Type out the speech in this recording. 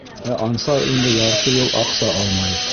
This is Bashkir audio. Ә Ансар инде ярты йыл аҡса алмай!